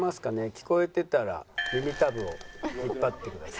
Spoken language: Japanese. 聞こえてたら耳たぶを引っ張ってください。